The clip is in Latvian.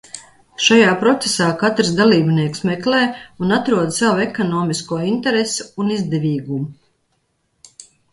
Šajā procesā katrs dalībnieks meklē un atrod savu ekonomisko interesi un izdevīgumu.